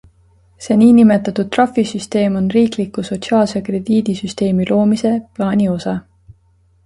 See nn trahvisüsteem on riikliku sotsiaalse krediidisüsteemi loomise plaani osa.